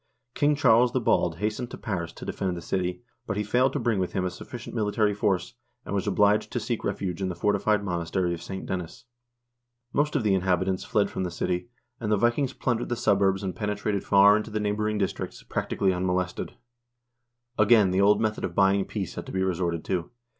King Charles the Bald hastened to Paris to defend the city, but he failed to bring with him a sufficient military force, and was obliged to seek refuge in the fortified monastery of St. Denis. Most of the inhab itants fled from the city, and the Vikings plundered the suburbs 1 Jacobus Langebek, Scriptores Rerum Danicarum, II., p. 25 ff. 52 HISTORY OF THE NORWEGIAN PEOPLE and penetrated far into the neighboring districts, practically unmo lested. Again the old method of buying peace had to be resorted to.